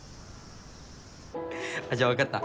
じゃあ分かった。